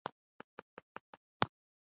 لېونے شوے يمه واګې له توسنه نيسم